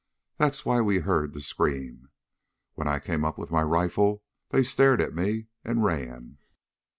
That's why we heard the scream. When I came up with my rifle they stared at me, and ran.